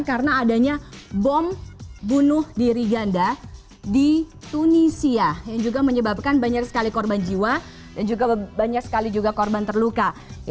karena adanya bom bunuh di riganda di tunisia yang juga menyebabkan banyak sekali korban jiwa dan juga banyak sekali korban terluka